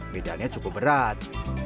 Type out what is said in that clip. bedanya cukup berat